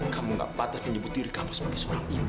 kamu gak patah menyebut diri kamu sebagai seorang ibu